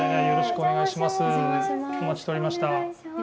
よろしくお願いします。